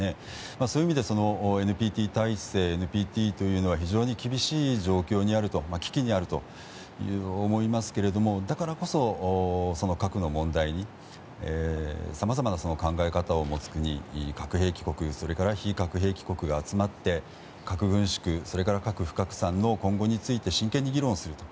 そういう意味ではＮＰＴ体制ＮＰＴというのは非常に厳しい状況にある危機にあると思いますがだからこそ、核の問題にさまざまな考え方を持つ国核兵器保有国それから非核兵器国が集まって核軍縮それから核不拡散の今後について真剣に議論すると。